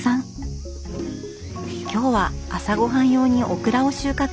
今日は朝ごはん用にオクラを収穫。